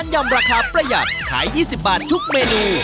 ยำราคาประหยัดขาย๒๐บาททุกเมนู